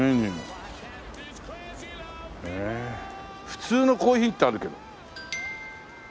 「普通のコーヒー」ってあるけど。